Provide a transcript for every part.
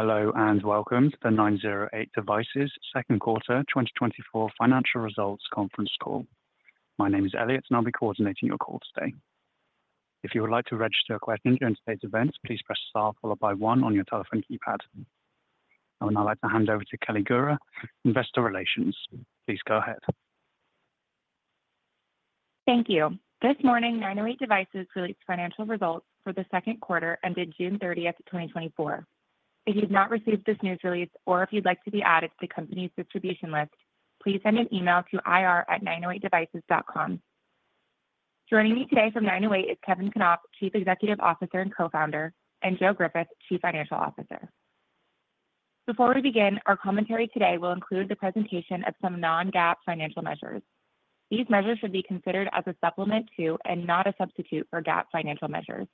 Hello, and welcome to The 908 Devices Q2 2024 Financial Results Conference Call. My name is Elliot, and I'll be coordinating your call today. If you would like to register a question during today's event, please press Star followed by one on your telephone keypad. I would now like to hand over to Kelly Gura, Investor Relations. Please go ahead. Thank you. This morning, 908 Devices released financial results for the second quarter ended June 30th, 2024. If you've not received this news release or if you'd like to be added to the company's distribution list, please send an email to ir@908devices.com. Joining me today from 908 Devices is Kevin Knopp, Chief Executive Officer and Co-founder, and Joe Griffith, Chief Financial Officer. Before we begin, our commentary today will include the presentation of some non-GAAP financial measures. These measures should be considered as a supplement to, and not a substitute for, GAAP financial measures.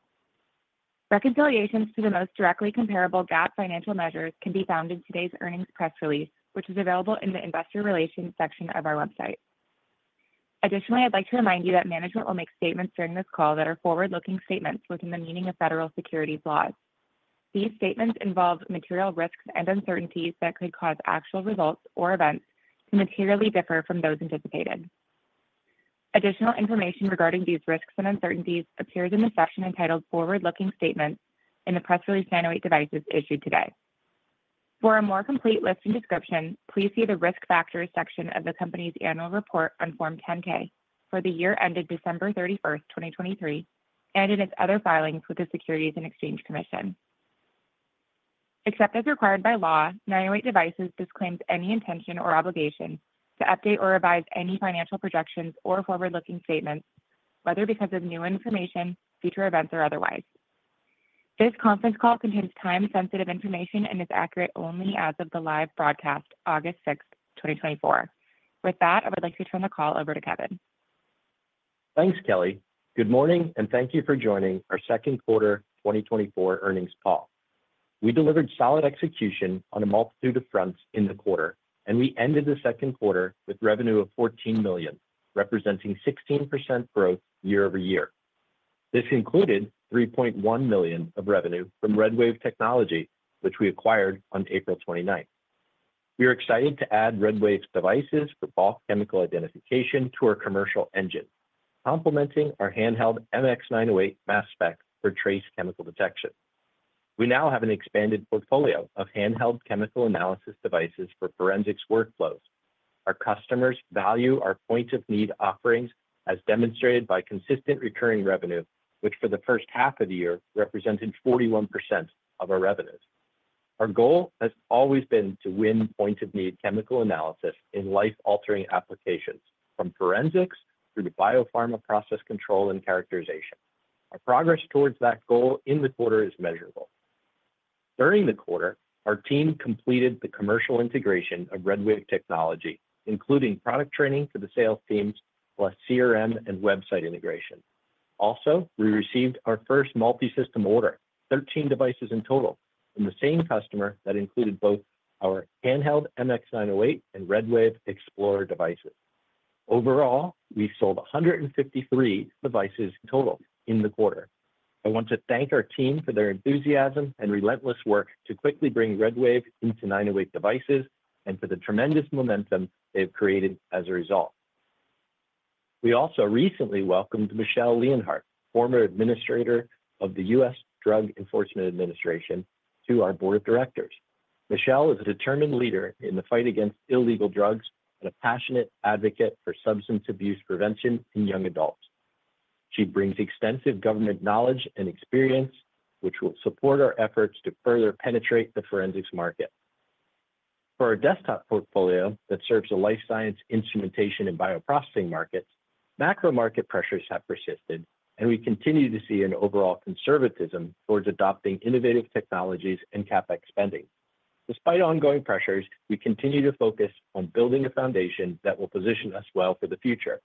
Reconciliations to the most directly comparable GAAP financial measures can be found in today's earnings press release, which is available in the Investor Relations section of our website. Additionally, I'd like to remind you that management will make statements during this call that are forward-looking statements within the meaning of federal securities laws. These statements involve material risks and uncertainties that could cause actual results or events to materially differ from those anticipated. Additional information regarding these risks and uncertainties appears in the section entitled Forward-Looking Statements in the press release 908 Devices issued today. For a more complete list and description, please see the Risk Factors section of the company's annual report on Form 10-K for the year ended December 31st, 2023, and in its other filings with the Securities and Exchange Commission. Except as required by law, 908 Devices disclaims any intention or obligation to update or revise any financial projections or forward-looking statements, whether because of new information, future events, or otherwise. This conference call contains time-sensitive information and is accurate only as of the live broadcast, August 6th, 2024. With that, I would like to turn the call over to Kevin. Thanks, Kelly. Good morning, and thank you for joining our second quarter 2024 earnings call. We delivered solid execution on a multitude of fronts in the quarter, and we ended the second quarter with revenue of $14 million, representing 16% growth YoY. This included $3.1 million of revenue from RedWave Technology, which we acquired on April 29th. We are excited to add RedWave's devices for bulk chemical identification to our commercial engine, complementing our handheld MX908 mass spec for trace chemical detection. We now have an expanded portfolio of handheld chemical analysis devices for forensics workflows. Our customers value our point-of-need offerings, as demonstrated by consistent recurring revenue, which for the first half of the year, represented 41% of our revenues. Our goal has always been to win point-of-need chemical analysis in life-altering applications, from forensics through to biopharma process control and characterization. Our progress towards that goal in the quarter is measurable. During the quarter, our team completed the commercial integration of RedWave Technology, including product training for the sales teams, plus CRM and website integration. Also, we received our first multi-system order, 13 devices in total, from the same customer that included both our handheld MX908 and RedWave XplorIR devices. Overall, we sold 153 devices total in the quarter. I want to thank our team for their enthusiasm and relentless work to quickly bring RedWave into 908 Devices and for the tremendous momentum they've created as a result. We also recently welcomed Michele Leonhart, former administrator of the U.S. Drug Enforcement Administration, to our board of directors. Michele is a determined leader in the fight against illegal drugs and a passionate advocate for substance abuse prevention in young adults. She brings extensive government knowledge and experience, which will support our efforts to further penetrate the forensics market. For our desktop portfolio that serves the life science, instrumentation, and bioprocessing markets, macro market pressures have persisted, and we continue to see an overall conservatism towards adopting innovative technologies and CapEx spending. Despite ongoing pressures, we continue to focus on building a foundation that will position us well for the future.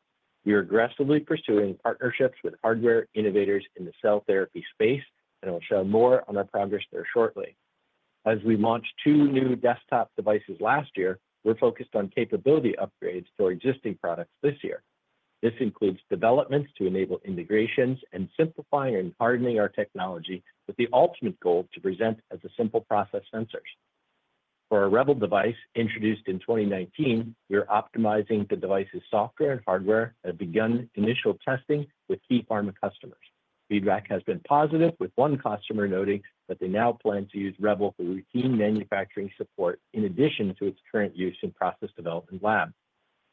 We are aggressively pursuing partnerships with hardware innovators in the cell therapy space, and we'll share more on our progress there shortly. As we launched 2 new desktop devices last year, we're focused on capability upgrades to our existing products this year. This includes developments to enable integrations and simplifying and hardening our technology, with the ultimate goal to present as a simple process sensors. For our REBEL device, introduced in 2019, we are optimizing the device's software and hardware and have begun initial testing with key pharma customers. Feedback has been positive, with one customer noting that they now plan to use REBEL for routine manufacturing support in addition to its current use in process development labs.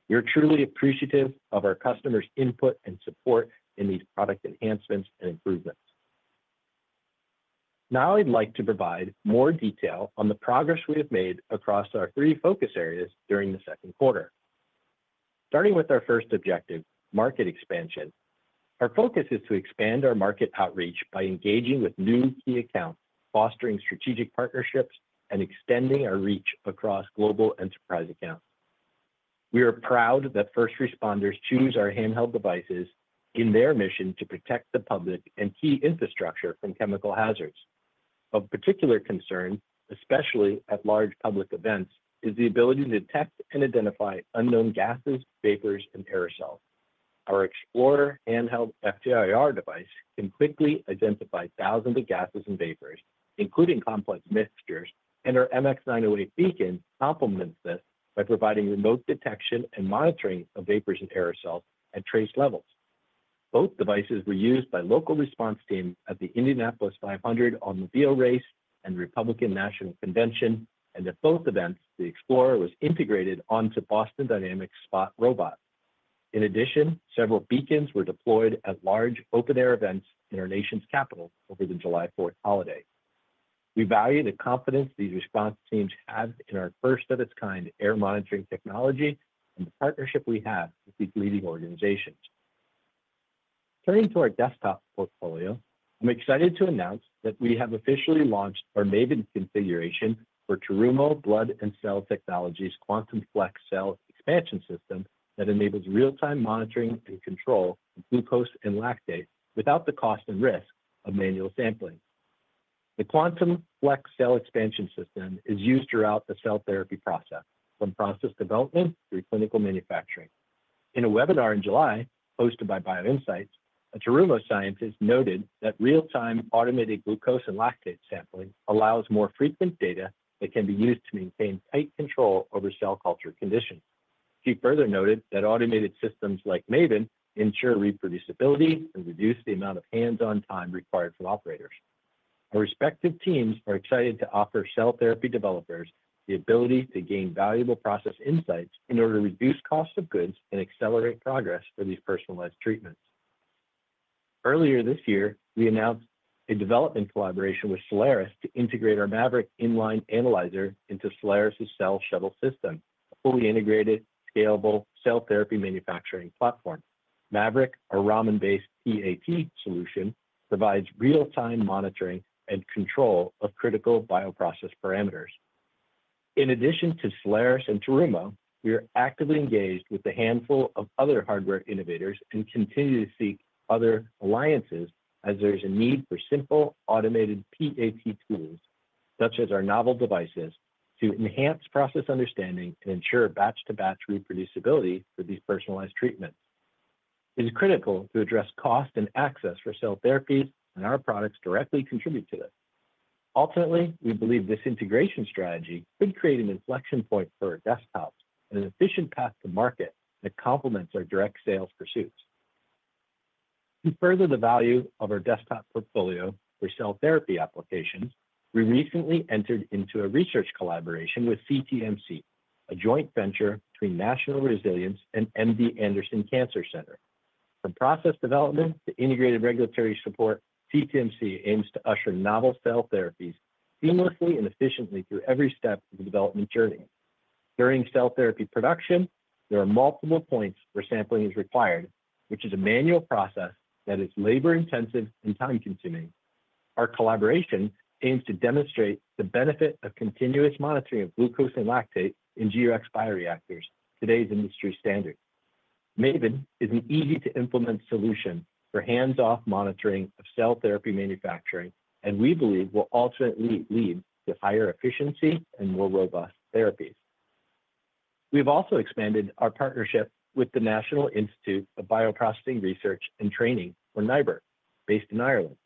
We are truly appreciative of our customers' input and support in these product enhancements and improvements. Now, I'd like to provide more detail on the progress we have made across our three focus areas during the second quarter. Starting with our first objective, market expansion. Our focus is to expand our market outreach by engaging with new key accounts, fostering strategic partnerships, and extending our reach across global enterprise accounts. We are proud that first responders choose our handheld devices in their mission to protect the public and key infrastructure from chemical hazards. Of particular concern, especially at large public events, is the ability to detect and identify unknown gases, vapors, and aerosols... Our XplorIR handheld FTIR device can quickly identify thousands of gases and vapors, including complex mixtures, and our MX908 Beacon complements this by providing remote detection and monitoring of vapors and aerosols at trace levels. Both devices were used by local response teams at the Indianapolis 500 open-wheel race and Republican National Convention, and at both events, the XplorIR was integrated onto Boston Dynamics' Spot robot. In addition, several Beacons were deployed at large open-air events in our nation's capital over the July 4th holiday. We value the confidence these response teams have in our first-of-its-kind air monitoring technology and the partnership we have with these leading organizations. Turning to our desktop portfolio, I'm excited to announce that we have officially launched our MAVEN configuration for Terumo Blood and Cell Technologies' Quantum Flex Cell Expansion System that enables real-time monitoring and control of glucose and lactate without the cost and risk of manual sampling. The Quantum Flex Cell Expansion System is used throughout the cell therapy process, from process development through clinical manufacturing. In a webinar in July, hosted by BioInsights, a Terumo scientist noted that real-time automated glucose and lactate sampling allows more frequent data that can be used to maintain tight control over cell culture conditions. She further noted that automated systems like MAVEN ensure reproducibility and reduce the amount of hands-on time required from operators. Our respective teams are excited to offer cell therapy developers the ability to gain valuable process insights in order to reduce cost of goods and accelerate progress for these personalized treatments. Earlier this year, we announced a development collaboration with Cellares to integrate our MAVERICK in-line analyzer into Cellares' Cell Shuttle system, a fully integrated, scalable cell therapy manufacturing platform. MAVERICK, our Raman-based PAT solution, provides real-time monitoring and control of critical bioprocess parameters. In addition to Cellares and Terumo, we are actively engaged with a handful of other hardware innovators and continue to seek other alliances as there is a need for simple, automated PAT tools, such as our novel devices, to enhance process understanding and ensure batch-to-batch reproducibility for these personalized treatments. It is critical to address cost and access for cell therapies, and our products directly contribute to this. Ultimately, we believe this integration strategy could create an inflection point for our desktops and an efficient path to market that complements our direct sales pursuits. To further the value of our desktop portfolio for cell therapy applications, we recently entered into a research collaboration with CTMC, a joint venture between National Resilience and MD Anderson Cancer Center. From process development to integrated regulatory support, CTMC aims to usher novel cell therapies seamlessly and efficiently through every step of the development journey. During cell therapy production, there are multiple points where sampling is required, which is a manual process that is labor-intensive and time-consuming. Our collaboration aims to demonstrate the benefit of continuous monitoring of glucose and lactate in G-Rex bioreactors, today's industry standard. MAVEN is an easy-to-implement solution for hands-off monitoring of cell therapy manufacturing, and we believe will ultimately lead to higher efficiency and more robust therapies. We've also expanded our partnership with the National Institute for Bioprocessing Research and Training, or NIBRT, based in Ireland.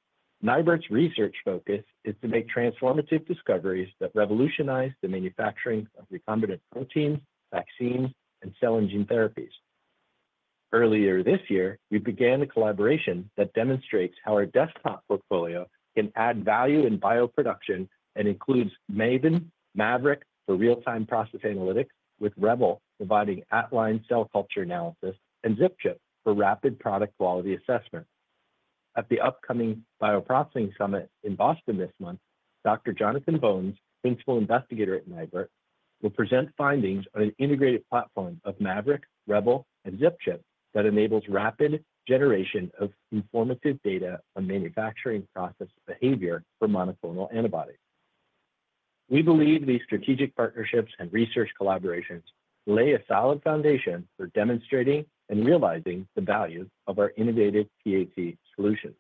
NIBRT's research focus is to make transformative discoveries that revolutionize the manufacturing of recombinant proteins, vaccines, and cell and gene therapies. Earlier this year, we began a collaboration that demonstrates how our desktop portfolio can add value in bioproduction and includes MAVEN, MAVERICK for real-time process analytics, with REBEL providing at-line cell culture analysis, and ZipChip for rapid product quality assessment. At the upcoming Bioprocessing Summit in Boston this month, Dr. Jonathan Bones, Principal Investigator at NIBRT, will present findings on an integrated platform of MAVERICK, REBEL, and ZipChip that enables rapid generation of informative data on manufacturing process behavior for monoclonal antibodies. We believe these strategic partnerships and research collaborations lay a solid foundation for demonstrating and realizing the value of our innovative PAT solutions.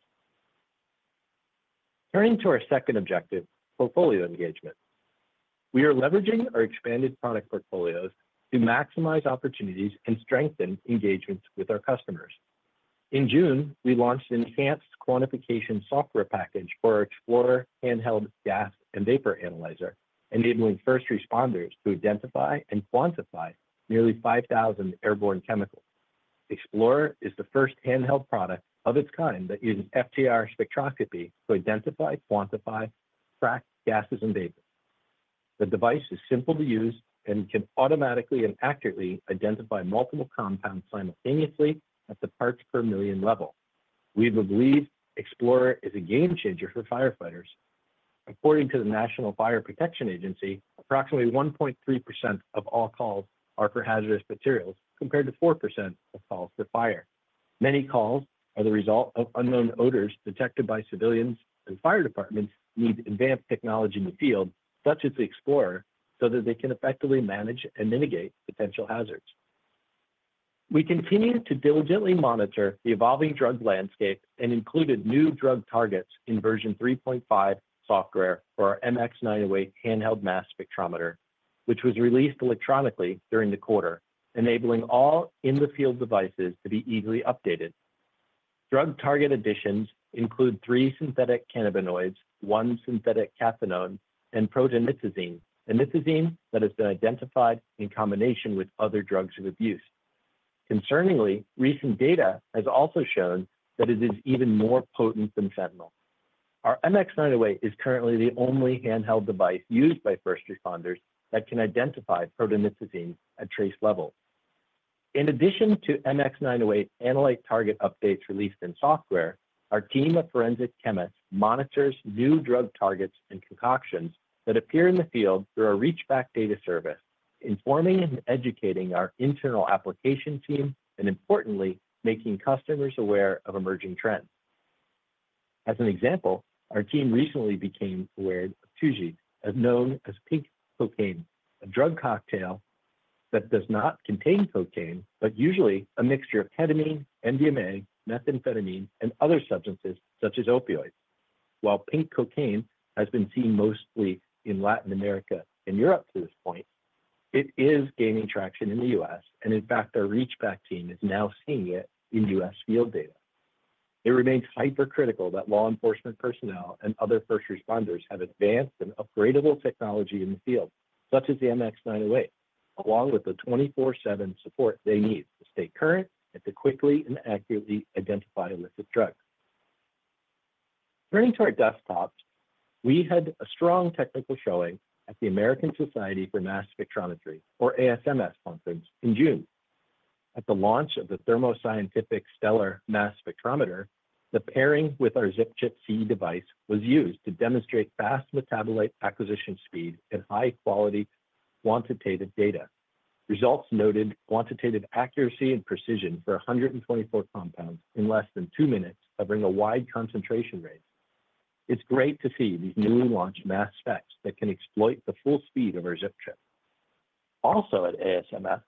Turning to our second objective, portfolio engagement. We are leveraging our expanded product portfolios to maximize opportunities and strengthen engagements with our customers. In June, we launched an enhanced quantification software package for our XplorIR handheld gas and vapor analyzer, enabling first responders to identify and quantify nearly 5,000 airborne chemicals. XplorIR is the first handheld product of its kind that uses FTIR spectroscopy to identify, quantify, track gases, and vapors. The device is simple to use and can automatically and accurately identify multiple compounds simultaneously at the parts per million level. We believe XplorIR is a game changer for firefighters. According to the National Fire Protection Association, approximately 1.3% of all calls are for hazardous materials, compared to 4% of calls for fire. Many calls are the result of unknown odors detected by civilians, and fire departments need advanced technology in the field, such as the XplorIR, so that they can effectively manage and mitigate potential hazards. We continue to diligently monitor the evolving drug landscape and included new drug targets in version 3.5 software for our MX908 handheld mass spectrometer, which was released electronically during the quarter, enabling all in-the-field devices to be easily updated. Drug target additions include 3 synthetic cannabinoids, 1 synthetic cathinone, and protonitazene, a nitazene that has been identified in combination with other drugs of abuse. Concerningly, recent data has also shown that it is even more potent than fentanyl. Our MX908 is currently the only handheld device used by first responders that can identify protonitazene at trace level. In addition to MX908 analyte target updates released in software, our team of forensic chemists monitors new drug targets and concoctions that appear in the field through our Reachback data service, informing and educating our internal application team, and importantly, making customers aware of emerging trends. As an example, our team recently became aware of Tusi, also known as pink cocaine, a drug cocktail that does not contain cocaine, but usually a mixture of ketamine, MDMA, methamphetamine, and other substances, such as opioids. While pink cocaine has been seen mostly in Latin America and Europe to this point, it is gaining traction in the U.S., and in fact, our Reachback team is now seeing it in U.S. field data. It remains hypercritical that law enforcement personnel and other first responders have advanced and upgradable technology in the field, such as the MX908, along with the 24/7 support they need to stay current and to quickly and accurately identify illicit drugs. Turning to our desktops, we had a strong technical showing at the American Society for Mass Spectrometry, or ASMS conference in June. At the launch of the Thermo Fisher Scientific Stellar Mass Spectrometer, the pairing with our ZipChip CE device was used to demonstrate fast metabolite acquisition speed and high-quality quantitative data. Results noted quantitative accuracy and precision for 124 compounds in less than 2 minutes, covering a wide concentration rate. It's great to see these newly launched mass specs that can exploit the full speed of our ZipChip. Also at ASMS,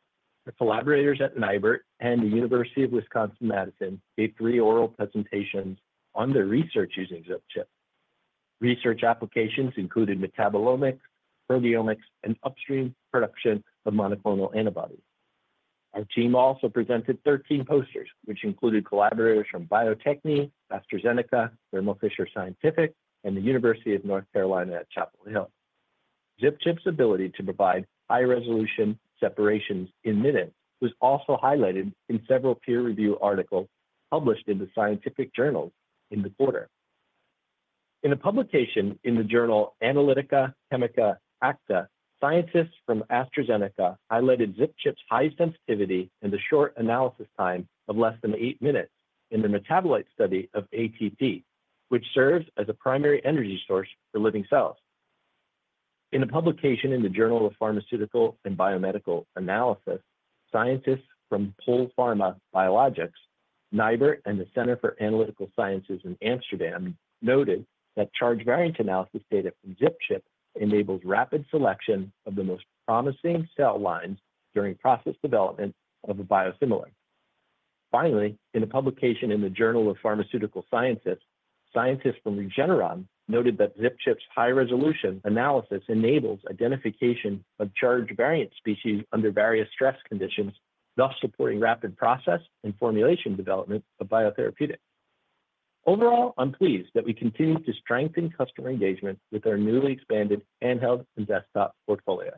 our collaborators at NIBRT and the University of Wisconsin-Madison gave 3 oral presentations on their research using ZipChip. Research applications included metabolomics, proteomics, and upstream production of monoclonal antibodies. Our team also presented 13 posters, which included collaborators from Bio-Techne, AstraZeneca, Thermo Fisher Scientific, and the University of North Carolina at Chapel Hill. ZipChip's ability to provide high-resolution separations in minutes was also highlighted in several peer review articles published in the scientific journals in the quarter. In a publication in the journal, Analytica Chimica Acta, scientists from AstraZeneca highlighted ZipChip's high sensitivity and the short analysis time of less than 8 minutes in the metabolite study of ATP, which serves as a primary energy source for living cells. In a publication in the Journal of Pharmaceutical and Biomedical Analysis, scientists from Polpharma Biologics, NIBRT, and the Center for Analytical Sciences in Amsterdam, noted that charge variant analysis data from ZipChip enables rapid selection of the most promising cell lines during process development of a biosimilar. Finally, in a publication in the Journal of Pharmaceutical Sciences, scientists from Regeneron noted that ZipChip's high-resolution analysis enables identification of charge variant species under various stress conditions, thus supporting rapid process and formulation development of biotherapeutic. Overall, I'm pleased that we continue to strengthen customer engagement with our newly expanded handheld and desktop portfolio.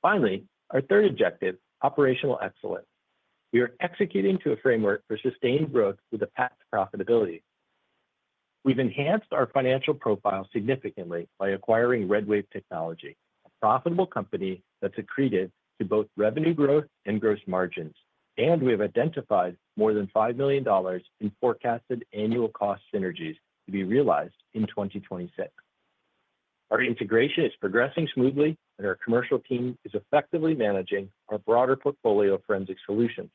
Finally, our third objective, operational excellence. We are executing to a framework for sustained growth with a path to profitability. We've enhanced our financial profile significantly by acquiring RedWave Technology, a profitable company that's accreted to both revenue growth and gross margins, and we have identified more than $5 million in forecasted annual cost synergies to be realized in 2026. Our integration is progressing smoothly, and our commercial team is effectively managing our broader portfolio of forensic solutions.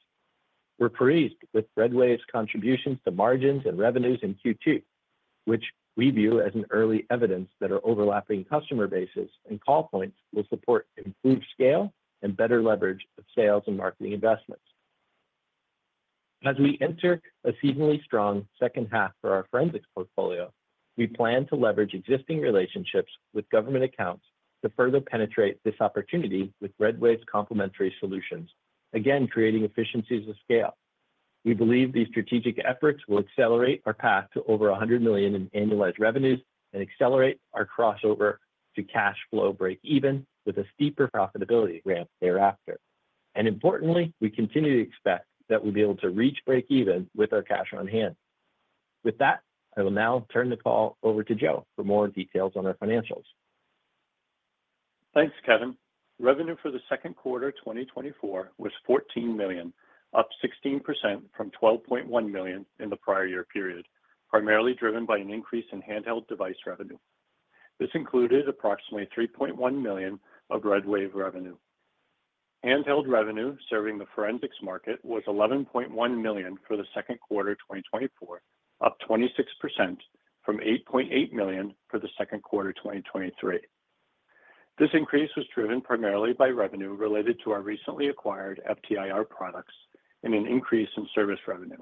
We're pleased with RedWave's contributions to margins and revenues in Q2, which we view as an early evidence that our overlapping customer bases and call points will support improved scale and better leverage of sales and marketing investments. As we enter a seasonally strong second half for our forensics portfolio, we plan to leverage existing relationships with government accounts to further penetrate this opportunity with RedWave's complementary solutions, again, creating efficiencies of scale. We believe these strategic efforts will accelerate our path to over $100 million in annualized revenues and accelerate our crossover to cash flow break even with a steeper profitability ramp thereafter. Importantly, we continue to expect that we'll be able to reach break even with our cash on hand. With that, I will now turn the call over to Joe for more details on our financials. Thanks, Kevin. Revenue for the second quarter 2024 was $14 million, up 16% from $12.1 million in the prior year period, primarily driven by an increase in handheld device revenue. This included approximately $3.1 million of RedWave revenue. Handheld revenue, serving the forensics market, was $11.1 million for the second quarter 2024, up 26% from $8.8 million for the second quarter 2023. This increase was driven primarily by revenue related to our recently acquired FTIR products and an increase in service revenue....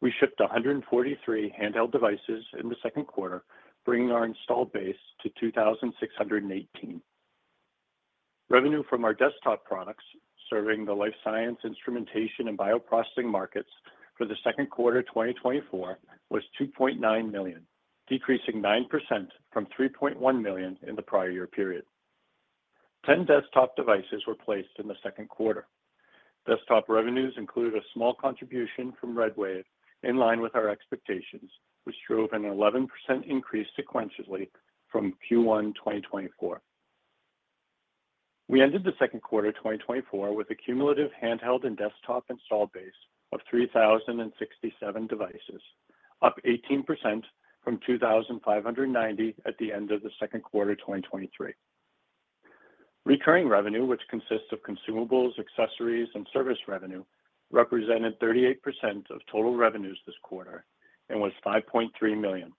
We shipped 143 handheld devices in the second quarter, bringing our installed base to 2,618. Revenue from our desktop products, serving the life science, instrumentation, and bioprocessing markets for the second quarter, 2024, was $2.9 million, decreasing 9% from $3.1 million in the prior year period. 10 desktop devices were placed in the second quarter. Desktop revenues included a small contribution from RedWave, in line with our expectations, which drove an 11% increase sequentially from Q1, 2024. We ended the second quarter, 2024, with a cumulative handheld and desktop installed base of 3,067 devices, up 18% from 2,590 at the end of the second quarter, 2023. Recurring revenue, which consists of consumables, accessories, and service revenue, represented 38% of total revenues this quarter and was $5.3 million,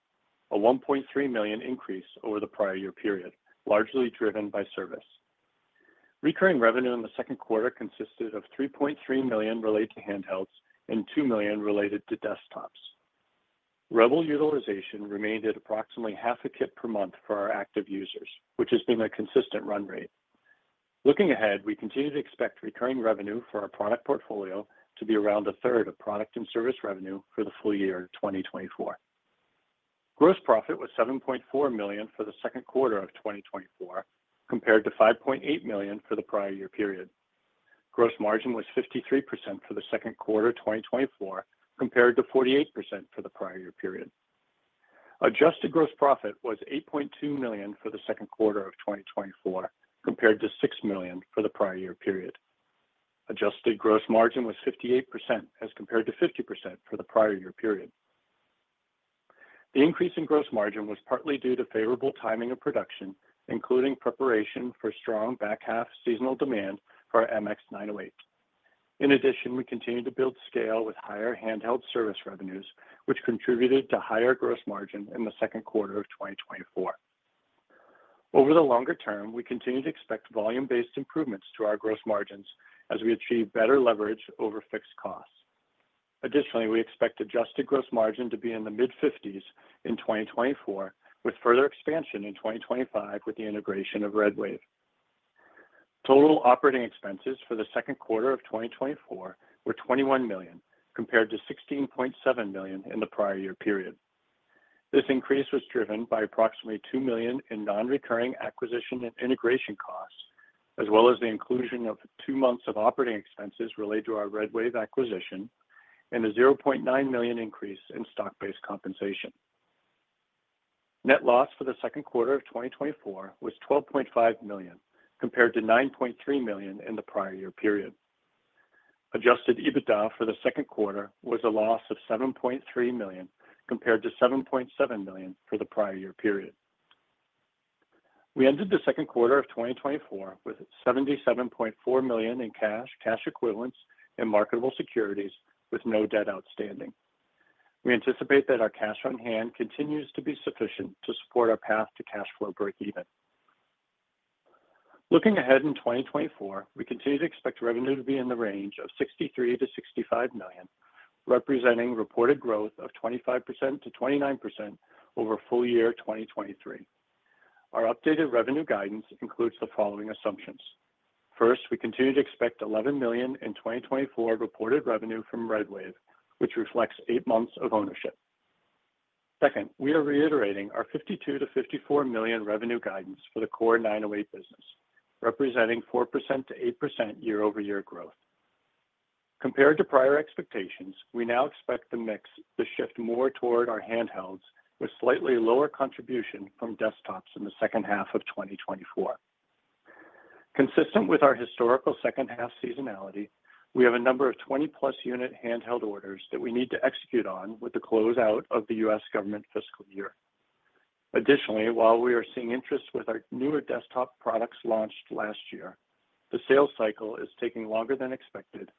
a $1.3 million increase over the prior year period, largely driven by service. Recurring revenue in the second quarter consisted of $3.3 million related to handhelds and $2 million related to desktops. REBEL utilization remained at approximately half a kit per month for our active users, which has been a consistent run rate. Looking ahead, we continue to expect recurring revenue for our product portfolio to be around a third of product and service revenue for the full year, 2024. Gross profit was $7.4 million for the second quarter of 2024, compared to $5.8 million for the prior year period. Gross margin was 53% for the second quarter, 2024, compared to 48% for the prior year period. Adjusted gross profit was $8.2 million for the second quarter of 2024, compared to $6 million for the prior year period. Adjusted gross margin was 58%, as compared to 50% for the prior year period. The increase in gross margin was partly due to favorable timing of production, including preparation for strong back half seasonal demand for our MX908. In addition, we continued to build scale with higher handheld service revenues, which contributed to higher gross margin in the second quarter of 2024. Over the longer term, we continue to expect volume-based improvements to our gross margins as we achieve better leverage over fixed costs. Additionally, we expect adjusted gross margin to be in the mid-50s in 2024, with further expansion in 2025 with the integration of RedWave. Total operating expenses for the second quarter of 2024 were $21 million, compared to $16.7 million in the prior year period. This increase was driven by approximately $2 million in non-recurring acquisition and integration costs, as well as the inclusion of two months of operating expenses related to our RedWave acquisition and a $0.9 million increase in stock-based compensation. Net loss for the second quarter of 2024 was $12.5 million, compared to $9.3 million in the prior year period. Adjusted EBITDA for the second quarter was a loss of $7.3 million, compared to $7.7 million for the prior year period. We ended the second quarter of 2024 with $77.4 million in cash, cash equivalents, and marketable securities, with no debt outstanding. We anticipate that our cash on hand continues to be sufficient to support our path to cash flow break even. Looking ahead in 2024, we continue to expect revenue to be in the range of $63 million-$65 million, representing reported growth of 25%-29% over full year 2023. Our updated revenue guidance includes the following assumptions. First, we continue to expect $11 million in 2024 reported revenue from RedWave, which reflects 8 months of ownership. Second, we are reiterating our $52 million-$54 million revenue guidance for the core 908 business, representing 4%-8% YoY growth. Compared to prior expectations, we now expect the mix to shift more toward our handhelds, with slightly lower contribution from desktops in the second half of 2024. Consistent with our historical second half seasonality, we have a number of 20+ unit handheld orders that we need to execute on with the closeout of the U.S. government fiscal year. Additionally, while we are seeing interest with our newer desktop products launched last year, the sales cycle is taking longer than expected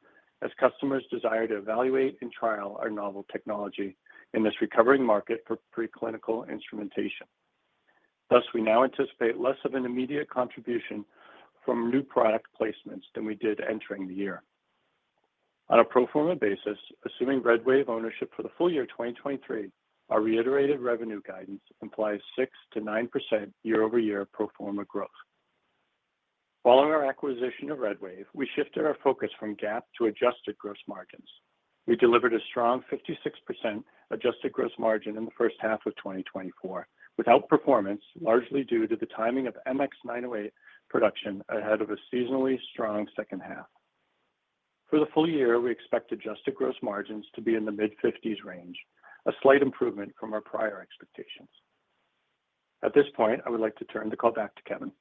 as customers desire to evaluate and trial our novel technology in this recovering market for preclinical instrumentation. Thus, we now anticipate less of an immediate contribution from new product placements than we did entering the year. On a pro forma basis, assuming RedWave ownership for the full year 2023, our reiterated revenue guidance implies 6%-9% YoY pro forma growth. Following our acquisition of RedWave, we shifted our focus from GAAP to adjusted gross margins. We delivered a strong 56% adjusted gross margin in the first half of 2024, with outperformance, largely due to the timing of MX908 production ahead of a seasonally strong second half. For the full year, we expect adjusted gross margins to be in the mid-50s range, a slight improvement from our prior expectations. At this point, I would like to turn the call back to Kevin.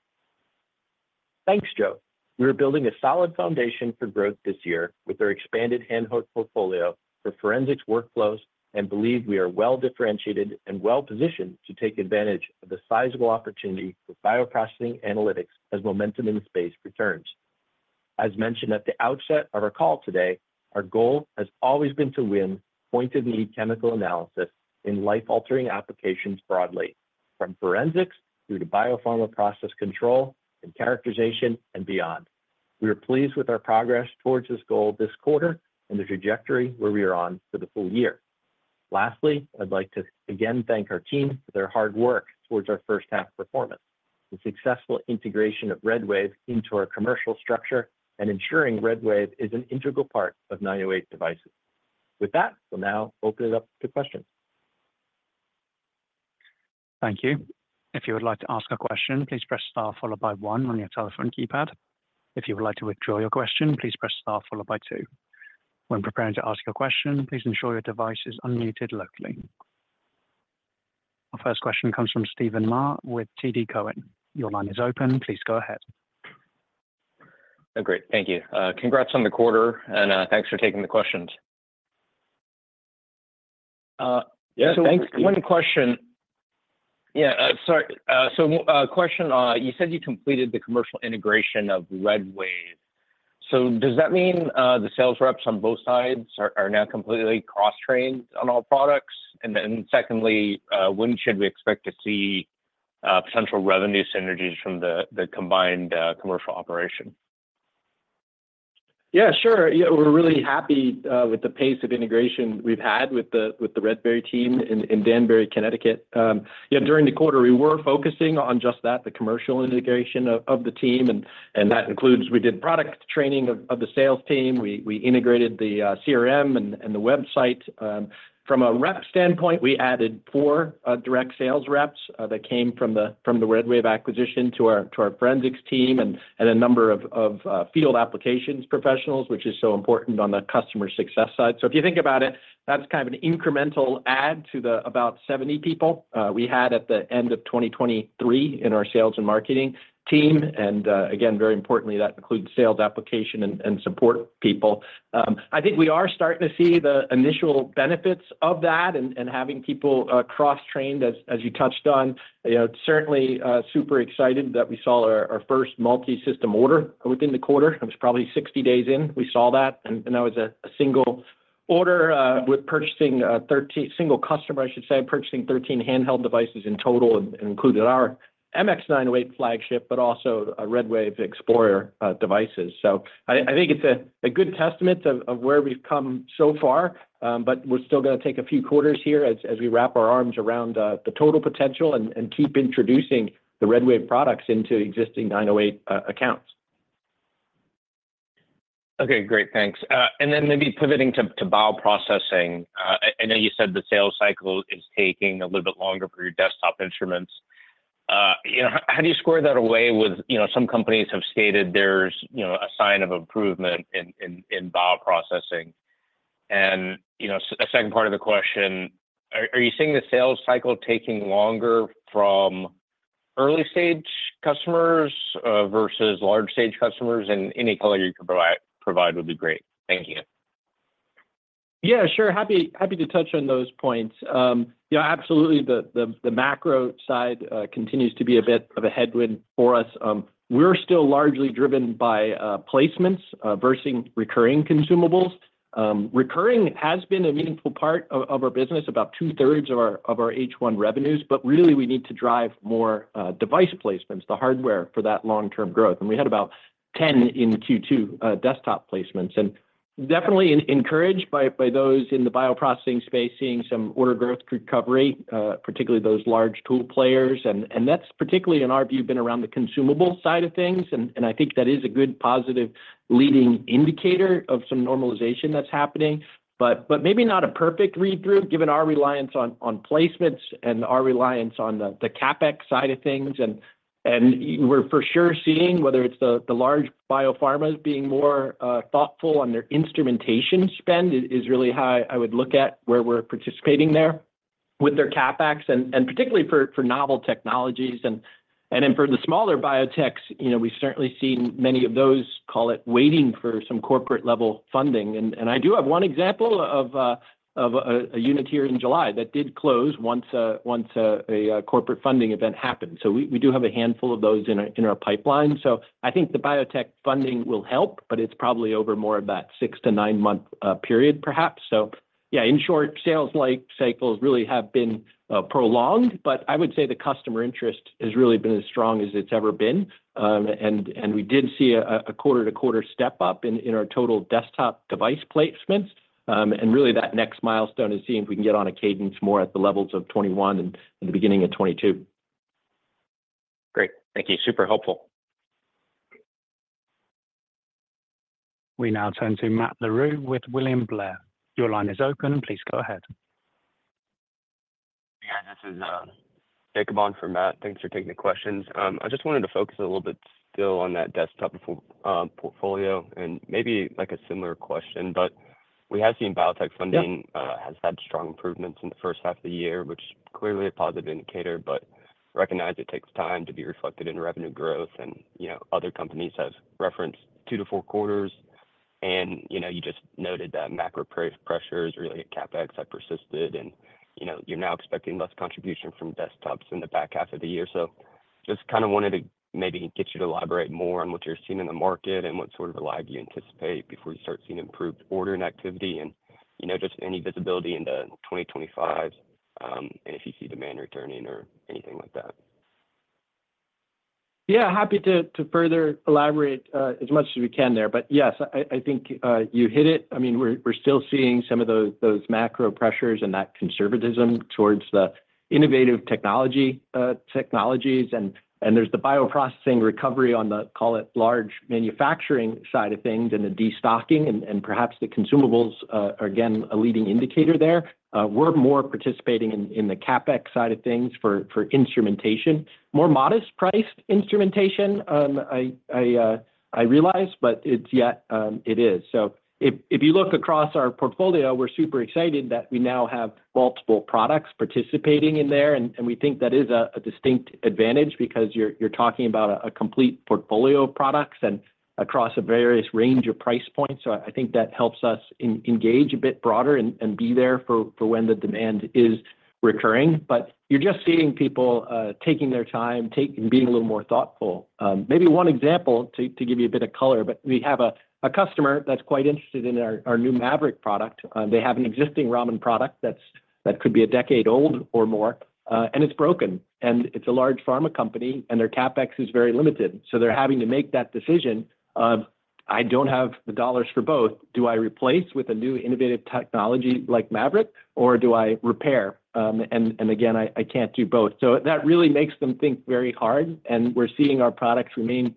Thanks, Joe. We are building a solid foundation for growth this year with our expanded handheld portfolio for forensics workflows and believe we are well-differentiated and well-positioned to take advantage of the sizable opportunity for bioprocessing analytics as momentum in the space returns. As mentioned at the outset of our call today, our goal has always been to win point-of-need chemical analysis in life-altering applications broadly, from forensics through to biopharma process control and characterization and beyond.... We are pleased with our progress towards this goal this quarter and the trajectory where we are on for the full year. Lastly, I'd like to again thank our team for their hard work towards our first half performance, the successful integration of RedWave into our commercial structure, and ensuring RedWave is an integral part of 908 Devices. With that, we'll now open it up to questions. Thank you. If you would like to ask a question, please press star followed by one on your telephone keypad. If you would like to withdraw your question, please press star followed by two. When preparing to ask your question, please ensure your device is unmuted locally. Our first question comes from Steven Mah with TD Cowen. Your line is open. Please go ahead. Oh, great. Thank you. Congrats on the quarter, and thanks for taking the questions. Yeah, thanks, Steven. One question. Yeah, sorry, so, question, you said you completed the commercial integration of RedWave. So does that mean the sales reps on both sides are now completely cross-trained on all products? And then secondly, when should we expect to see potential revenue synergies from the combined commercial operation? Yeah, sure. Yeah, we're really happy with the pace of integration we've had with the RedWave team in Danbury, Connecticut. Yeah, during the quarter, we were focusing on just that, the commercial integration of the team, and that includes, we did product training of the sales team. We integrated the CRM and the website. From a rep standpoint, we added 4 direct sales reps that came from the RedWave acquisition to our forensics team, and a number of field applications professionals, which is so important on the customer success side. So if you think about it, that's kind of an incremental add to the about 70 people we had at the end of 2023 in our sales and marketing team, and again, very importantly, that includes sales, application, and support people. I think we are starting to see the initial benefits of that and having people cross-trained, as you touched on. You know, certainly super excited that we saw our first multi-system order within the quarter. It was probably 60 days in, we saw that, and that was a single order with purchasing 13—single customer, I should say, purchasing 13 handheld devices in total, included our MX908 flagship, but also a RedWave XplorIR devices. So I think it's a good testament of where we've come so far, but we're still gonna take a few quarters here as we wrap our arms around the total potential and keep introducing the RedWave products into existing 908 accounts. Okay, great. Thanks. And then maybe pivoting to bioprocessing. I know you said the sales cycle is taking a little bit longer for your desktop instruments. You know, how do you square that away with, you know, some companies have stated there's, you know, a sign of improvement in bioprocessing? And, you know, a second part of the question, are you seeing the sales cycle taking longer from early-stage customers versus large-stage customers? And any color you can provide would be great. Thank you. Yeah, sure. Happy to touch on those points. Yeah, absolutely, the macro side continues to be a bit of a headwind for us. We're still largely driven by placements versus recurring consumables. Recurring has been a meaningful part of our business, about two-thirds of our H1 revenues, but really, we need to drive more device placements, the hardware for that long-term growth. And we had about 10 in Q2 desktop placements, and definitely encouraged by those in the bioprocessing space, seeing some order growth recovery, particularly those large tool players. And that's particularly, in our view, been around the consumable side of things, and I think that is a good positive leading indicator of some normalization that's happening. But maybe not a perfect read-through, given our reliance on placements and our reliance on the CapEx side of things. And we're for sure seeing whether it's the large biopharmas being more thoughtful on their instrumentation spend is really how I would look at where we're participating there with their CapEx and particularly for novel technologies. And then for the smaller biotechs, you know, we've certainly seen many of those, call it, waiting for some corporate-level funding. And I do have one example of a unit here in July that did close once a corporate funding event happened. So we do have a handful of those in our pipeline. So I think the biotech funding will help, but it's probably over more of that 6-9-month period, perhaps. So yeah, in short, sales life cycles really have been prolonged, but I would say the customer interest has really been as strong as it's ever been. And we did see a quarter-to-quarter step up in our total desktop device placements. And really, that next milestone is seeing if we can get on a cadence more at the levels of 2021 and the beginning of 2022. Great. Thank you. Super helpful. We now turn to Matt Larew with William Blair. Your line is open. Please go ahead. Yeah, this is Jacob on for Matt. Thanks for taking the questions. I just wanted to focus a little bit still on that desktop portfolio, and maybe like a similar question, but we have seen biotech funding- Yeah. has had strong improvements in the first half of the year, which clearly a positive indicator, but recognize it takes time to be reflected in revenue growth. And, you know, other companies have referenced two to four quarters, and, you know, you just noted that macro pressures related to CapEx have persisted, and, you know, you're now expecting less contribution from desktops in the back half of the year. So just kind of wanted to maybe get you to elaborate more on what you're seeing in the market and what sort of lag you anticipate before you start seeing improved ordering activity and you know, just any visibility into 2025, and if you see demand returning or anything like that? Yeah, happy to, to further elaborate, as much as we can there. But, yes, I, I think, you hit it. I mean, we're, we're still seeing some of those, those macro pressures and that conservatism towards the innovative technology, technologies. And, and there's the bioprocessing recovery on the, call it, large manufacturing side of things, and the destocking and, and perhaps the consumables are, again, a leading indicator there. We're more participating in, in the CapEx side of things for, for instrumentation. More modest priced instrumentation, I, I, I realize, but it's yet, it is. So if you look across our portfolio, we're super excited that we now have multiple products participating in there, and we think that is a distinct advantage because you're talking about a complete portfolio of products and across a various range of price points. So I think that helps us engage a bit broader and be there for when the demand is recurring. But you're just seeing people taking their time being a little more thoughtful. Maybe one example to give you a bit of color, but we have a customer that's quite interested in our new MAVERICK product. They have an existing Raman product that's that could be a decade old or more, and it's broken. And it's a large pharma company, and their CapEx is very limited. So they're having to make that decision of, "I don't have the dollars for both. Do I replace with a new innovative technology like MAVERICK, or do I repair? And again, I can't do both." So that really makes them think very hard, and we're seeing our products remain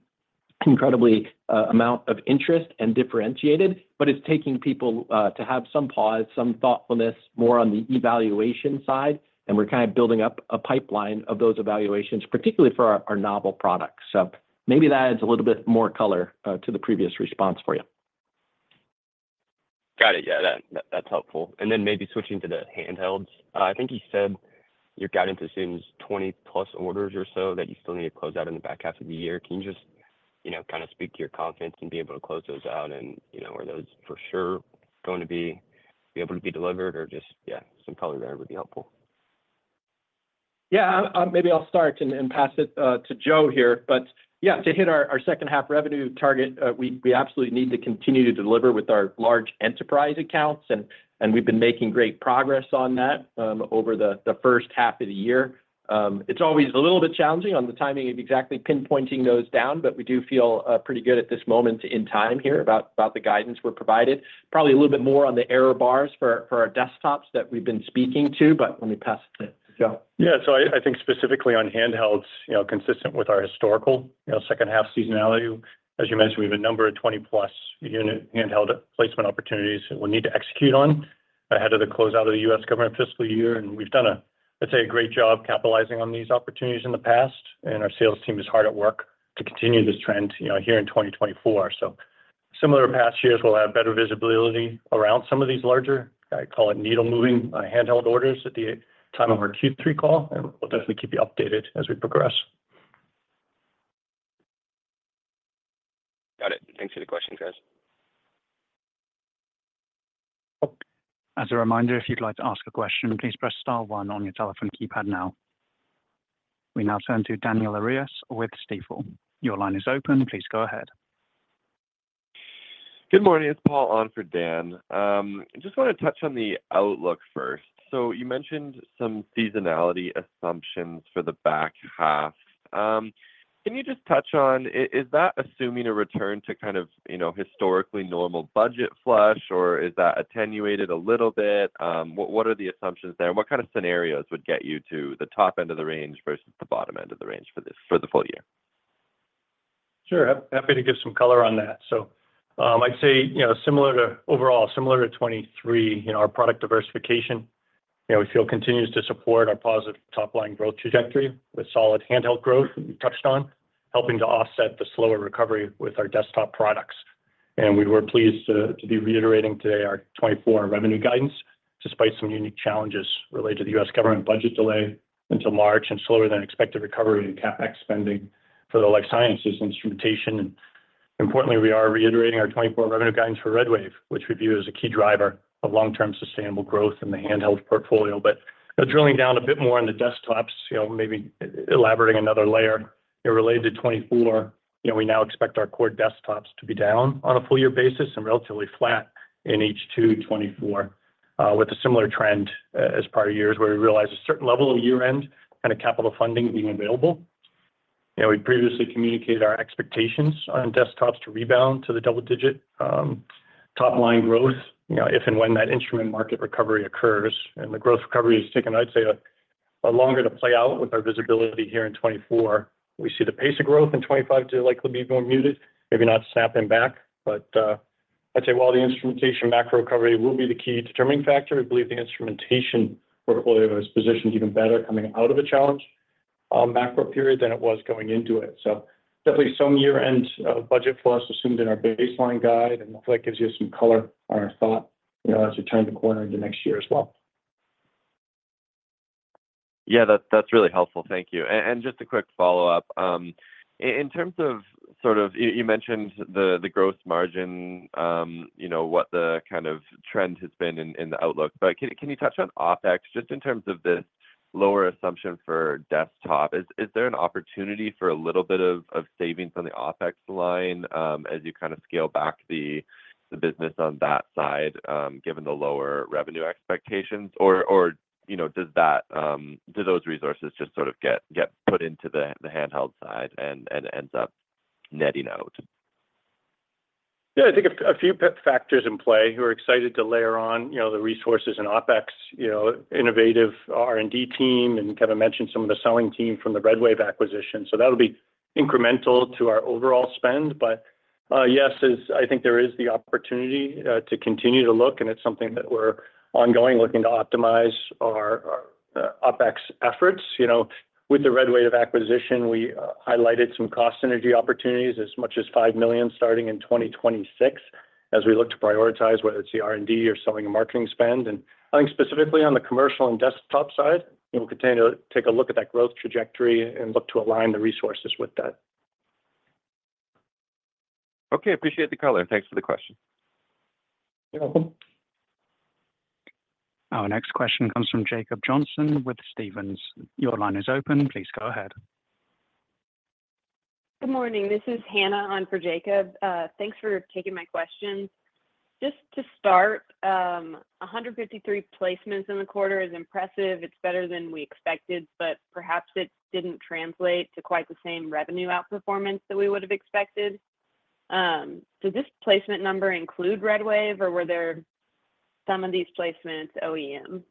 incredibly amount of interest and differentiated, but it's taking people to have some pause, some thoughtfulness, more on the evaluation side. And we're kind of building up a pipeline of those evaluations, particularly for our novel products. So maybe that adds a little bit more color to the previous response for you. Got it. Yeah, that, that's helpful. And then maybe switching to the handhelds. I think you said your guidance assumes 20+ orders or so that you still need to close out in the back half of the year. Can you just, you know, kind of speak to your confidence and be able to close those out? And, you know, are those for sure going to be, be able to be delivered or just... Yeah, some color there would be helpful. Yeah, maybe I'll start and pass it to Joe here. But, yeah, to hit our second half revenue target, we absolutely need to continue to deliver with our large enterprise accounts, and we've been making great progress on that, over the first half of the year. It's always a little bit challenging on the timing of exactly pinpointing those down, but we do feel pretty good at this moment in time here, about the guidance we're provided. Probably a little bit more on the error bars for our desktops that we've been speaking to, but let me pass it to Joe. Yeah. So I think specifically on handhelds, you know, consistent with our historical, you know, second half seasonality. As you mentioned, we have a number of 20+ unit handheld placement opportunities that we'll need to execute on ahead of the closeout of the U.S. government fiscal year. And we've done a, I'd say, a great job capitalizing on these opportunities in the past, and our sales team is hard at work to continue this trend, you know, here in 2024. So similar past years, we'll have better visibility around some of these larger, I call it, needle-moving handheld orders at the time of our Q3 call, and we'll definitely keep you updated as we progress. Got it. Thanks for the questions, guys. As a reminder, if you'd like to ask a question, please press star one on your telephone keypad now. We now turn to Daniel Arias with Stifel. Your line is open. Please go ahead. Good morning, it's Paul on for Dan. I just want to touch on the outlook first. So you mentioned some seasonality assumptions for the back half. Can you just touch on, is that assuming a return to kind of, you know, historically normal budget flush, or is that attenuated a little bit? What are the assumptions there? What kind of scenarios would get you to the top end of the range versus the bottom end of the range for the full year? Sure. Happy to give some color on that. So, I'd say, you know, similar to, overall, similar to 2023, you know, our product diversification, you know, we feel continues to support our positive top-line growth trajectory with solid handheld growth, we touched on, helping to offset the slower recovery with our desktop products. And we were pleased to be reiterating today our 2024 revenue guidance, despite some unique challenges related to the U.S. government budget delay until March and slower than expected recovery in CapEx spending for the life sciences instrumentation. And importantly, we are reiterating our 2024 revenue guidance for RedWave, which we view as a key driver of long-term sustainable growth in the handheld portfolio. But drilling down a bit more on the desktops, you know, maybe elaborating another layer related to 2024, you know, we now expect our core desktops to be down on a full year basis and relatively flat in H2 2024, with a similar trend as prior years, where we realize a certain level of year-end kind of capital funding being available. You know, we previously communicated our expectations on desktops to rebound to the double-digit top-line growth, you know, if and when that instrument market recovery occurs. And the growth recovery has taken, I'd say, a longer to play out with our visibility here in 2024. We see the pace of growth in 2025 to likely be more muted, maybe not snapping back. But, I'd say while the instrumentation macro recovery will be the key determining factor, I believe the instrumentation portfolio is positioned even better coming out of a challenge, macro period than it was going into it. So definitely some year-end, budget for us assumed in our baseline guide, and I feel like gives you some color on our thought, you know, as we turn the corner into next year as well. Yeah, that's really helpful. Thank you. And just a quick follow-up. In terms of sort of... You mentioned the gross margin, you know, what the kind of trend has been in the outlook, but can you touch on OpEx just in terms of this lower assumption for desktop, is there an opportunity for a little bit of savings on the OpEx line as you kind of scale back the business on that side, given the lower revenue expectations? Or, you know, does that do those resources just sort of get put into the handheld side and ends up netting out? Yeah, I think a few factors in play. We're excited to layer on, you know, the resources and OpEx, you know, innovative R&D team, and Kevin mentioned some of the selling team from the RedWave acquisition. So that'll be incremental to our overall spend. But yes, I think there is the opportunity to continue to look, and it's something that we're ongoing looking to optimize our OpEx efforts. You know, with the RedWave acquisition, we highlighted some cost synergy opportunities as much as $5 million, starting in 2026, as we look to prioritize whether it's the R&D or selling and marketing spend. And I think specifically on the commercial and desktop side, we'll continue to take a look at that growth trajectory and look to align the resources with that. Okay. Appreciate the color. Thanks for the question. You're welcome. Our next question comes from Jacob Johnson with Stephens. Your line is open. Please go ahead. Good morning. This is Hannah on for Jacob. Thanks for taking my question. Just to start, 153 placements in the quarter is impressive. It's better than we expected, but perhaps it didn't translate to quite the same revenue outperformance that we would have expected. Does this placement number include RedWave, or were there some of these placements OEM?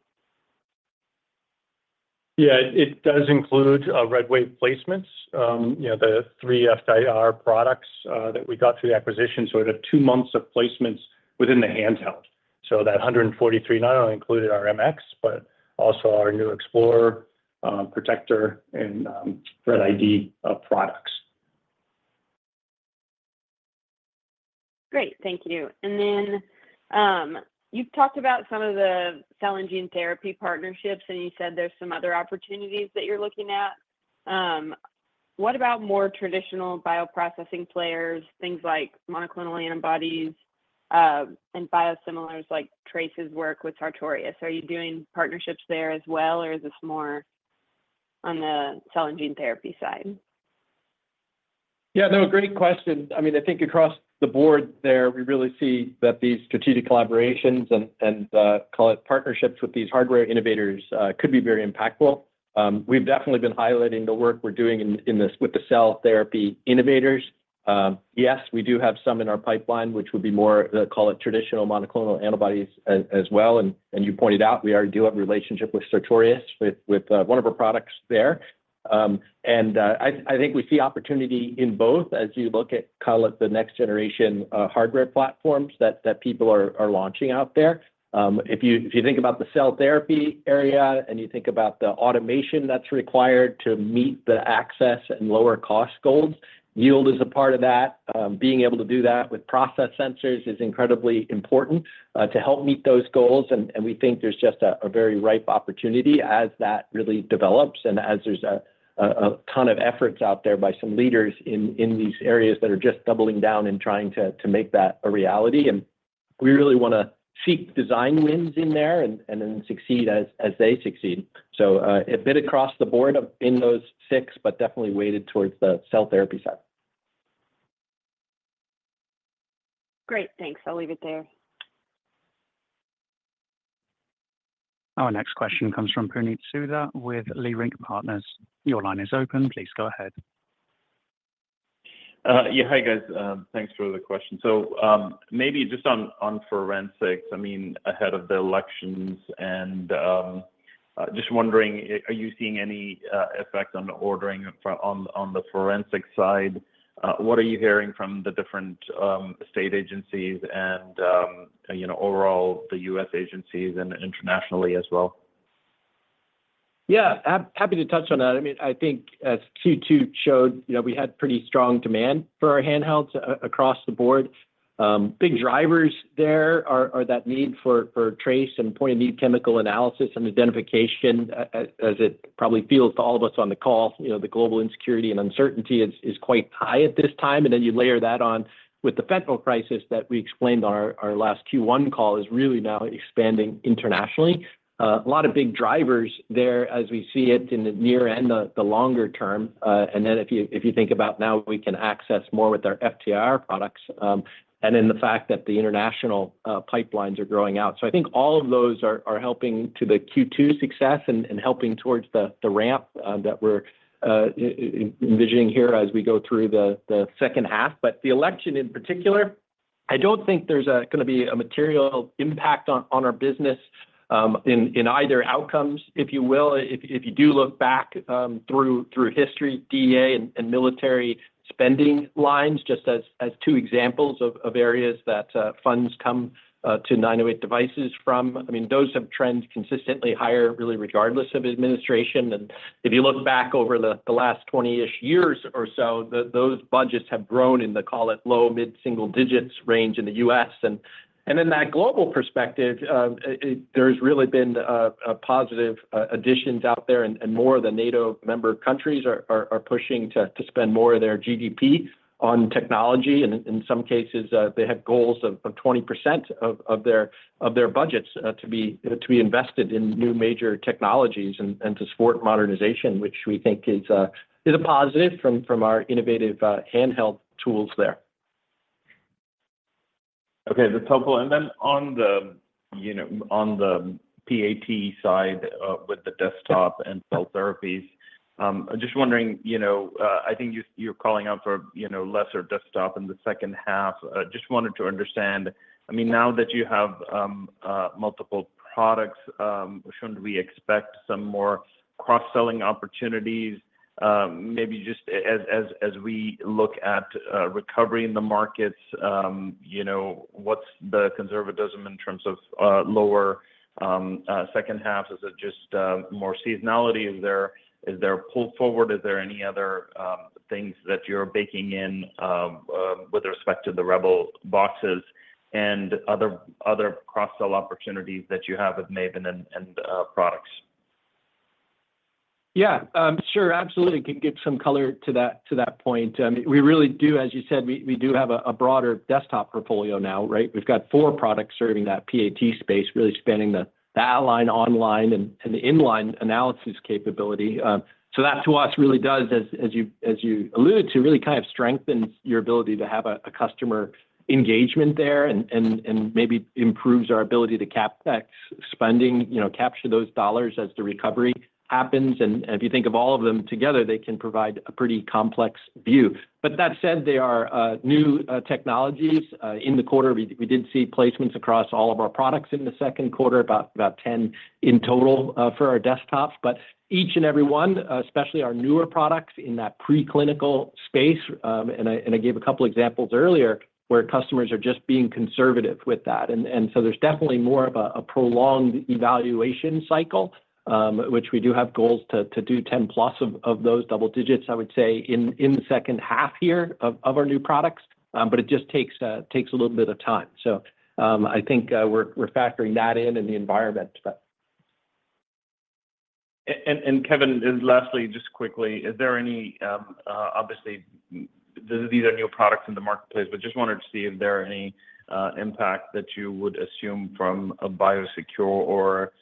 Yeah, it does include RedWave placements. You know, the three FTIR products that we got through the acquisition. So we had two months of placements within the handheld. So that 143 not only included our MX, but also our new XplorIR, ProtectIR, and ThreatID products. Great. Thank you. And then, you've talked about some of the cell and gene therapy partnerships, and you said there's some other opportunities that you're looking at. What about more traditional bioprocessing players, things like monoclonal antibodies, and biosimilars, like Trace's work with Sartorius? Are you doing partnerships there as well, or is this more on the cell and gene therapy side? Yeah, no, great question. I mean, I think across the board there, we really see that these strategic collaborations and call it partnerships with these hardware innovators could be very impactful. We've definitely been highlighting the work we're doing in this with the cell therapy innovators. Yes, we do have some in our pipeline, which would be more call it traditional monoclonal antibodies as well. And you pointed out, we already do have a relationship with Sartorius, with one of our products there. And I think we see opportunity in both as you look at call it the next generation hardware platforms that people are launching out there. If you, if you think about the cell therapy area and you think about the automation that's required to meet the access and lower cost goals, yield is a part of that. Being able to do that with process sensors is incredibly important to help meet those goals, and we think there's just a very ripe opportunity as that really develops and as there's a ton of efforts out there by some leaders in these areas that are just doubling down and trying to make that a reality. And we really wanna seek design wins in there and then succeed as they succeed. So, a bit across the board of in those six, but definitely weighted towards the cell therapy side. Great, thanks. I'll leave it there. Our next question comes from Puneet Souda with Leerink Partners. Your line is open. Please go ahead. Yeah. Hi, guys. Thanks for the question. So, maybe just on forensics, I mean, ahead of the elections and just wondering, are you seeing any effect on the ordering for the forensic side? What are you hearing from the different state agencies and, you know, overall, the U.S. agencies and internationally as well? Yeah, happy to touch on that. I mean, I think as Q2 showed, you know, we had pretty strong demand for our handhelds across the board. Big drivers there are that need for trace and point-of-need chemical analysis and identification, as it probably feels to all of us on the call, you know, the global insecurity and uncertainty is quite high at this time. And then you layer that on with the fentanyl crisis that we explained on our last Q1 call is really now expanding internationally. A lot of big drivers there as we see it in the near and the longer term. And then if you think about now, we can access more with our FTIR products, and then the fact that the international pipelines are growing out. So I think all of those are helping to the Q2 success and helping towards the ramp that we're envisioning here as we go through the second half. But the election in particular, I don't think there's gonna be a material impact on our business in either outcomes, if you will. If you do look back through history, DEA and military spending lines, just as two examples of areas that funds come to 908 Devices from. I mean, those have trends consistently higher, really, regardless of administration. And if you look back over the last 20-ish years or so, those budgets have grown in the call it low, mid-single digits range in the US. In that global perspective, there's really been a positive additions out there, and more of the NATO member countries are pushing to spend more of their GDP on technology. And in some cases, they have goals of 20% of their budgets to be invested in new major technologies and to support modernization, which we think is a positive from our innovative handheld tools there. ... Okay, that's helpful. And then on the, you know, on the PAT side, with the desktop and cell therapies, just wondering, you know, I think you, you're calling out for, you know, lesser desktop in the second half. Just wanted to understand, I mean, now that you have, multiple products, shouldn't we expect some more cross-selling opportunities? Maybe just as we look at, recovery in the markets, you know, what's the conservatism in terms of, lower, second half? Is it just, more seasonality? Is there, is there a pull forward? Is there any other, things that you're baking in, with respect to the REBEL boxes and other, other cross-sell opportunities that you have with MAVEN and, and, products? Yeah, sure, absolutely, can give some color to that, to that point. We really do, as you said, we do have a broader desktop portfolio now, right? We've got four products serving that PAT space, really spanning the at-line, on-line, and in-line analysis capability. So that to us really does, as you alluded to, really kind of strengthens your ability to have a customer engagement there and maybe improves our ability to capture CapEx spending, you know, capture those dollars as the recovery happens. And if you think of all of them together, they can provide a pretty complex view. But that said, they are new technologies. In the quarter, we did see placements across all of our products in the second quarter, about 10 in total, for our desktops. But each and every one, especially our newer products in that preclinical space, and I gave a couple examples earlier, where customers are just being conservative with that. And so there's definitely more of a prolonged evaluation cycle, which we do have goals to do 10+ of those double digits, I would say, in the second half year of our new products. But it just takes a little bit of time. So I think we're factoring that in in the environment, but. And Kevin, and lastly, just quickly, is there any—obviously, these are new products in the marketplace, but just wanted to see if there are any impact that you would assume from a Biosecure or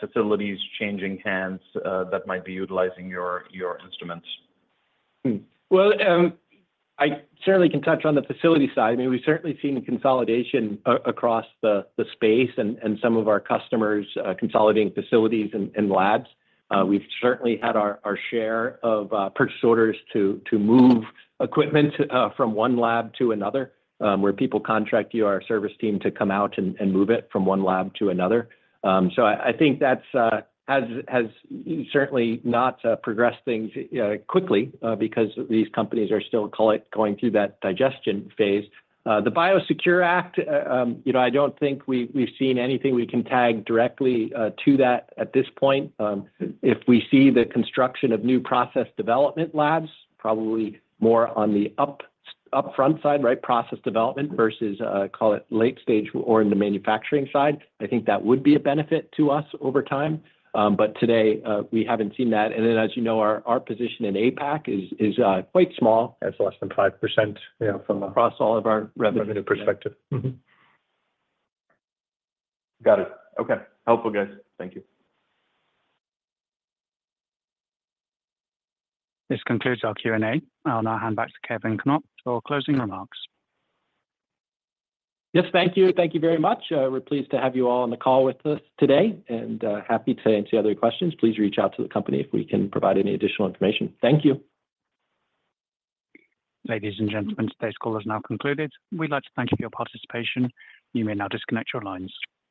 facilities changing hands that might be utilizing your instruments? Well, I certainly can touch on the facility side. I mean, we've certainly seen consolidation across the space and some of our customers consolidating facilities and labs. We've certainly had our share of purchase orders to move equipment from one lab to another, where people contract our service team to come out and move it from one lab to another. So I think that's has certainly not progressed things quickly because these companies are still call it going through that digestion phase. The Biosecure Act, you know, I don't think we've seen anything we can tag directly to that at this point. If we see the construction of new process development labs, probably more on the upfront side, right, process development, versus call it late stage or in the manufacturing side, I think that would be a benefit to us over time. But today, we haven't seen that. And then, as you know, our position in APAC is quite small. It's less than 5%, you know, from across all of our revenue perspective. Mm-hmm. Got it. Okay. Helpful, guys. Thank you. This concludes our Q&A. I'll now hand back to Kevin Knopp for closing remarks. Yes, thank you. Thank you very much. We're pleased to have you all on the call with us today, and happy to answer other questions. Please reach out to the company if we can provide any additional information. Thank you. Ladies and gentlemen, today's call is now concluded. We'd like to thank you for your participation. You may now disconnect your lines.